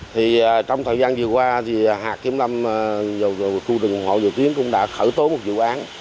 thì trong thời gian vừa qua thì hạ kiếm lâm khu rừng hồ dầu tiến cũng đã khởi tố một dự án